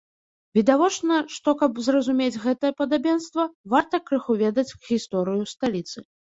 Відавочна, што, каб зразумець гэтае падабенства, варта крыху ведаць гісторыю сталіцы.